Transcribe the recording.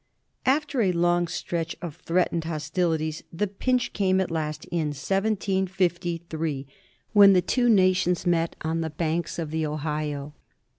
After a long stretch of threatened hostilities, the pinch came at last in 1753, when the two nations met on the banks of the Ohio.